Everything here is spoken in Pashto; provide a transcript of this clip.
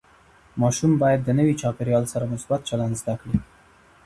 ماشوم باید د نوي چاپېریال سره مثبت چلند زده کړي.